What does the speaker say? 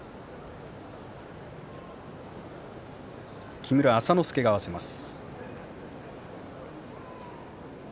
木村朝之助が合わせます。